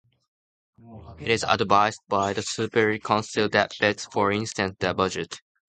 It is advised by the Supervisory Council that vets for instance the budget.